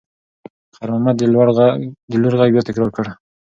خیر محمد د لور غږ بیا تکرار کړ.